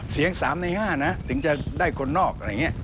เสียง๓ใน๕ถึงจะได้คนนอก